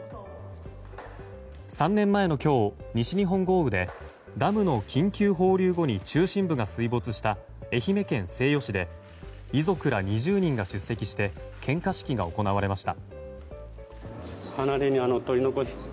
３年前の今日、西日本豪雨でダムの緊急放流後に中心部が水没した愛媛県西予市で遺族ら２０人が出席して献花式が行われました。